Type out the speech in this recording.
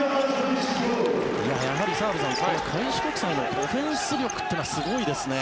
やはり澤部さん、開志国際のオフェンス力というのはすごいですね。